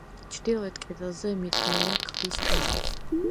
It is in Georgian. ჩრდილოეთ კედელზე მიდგმულია ქვის ტუმბო.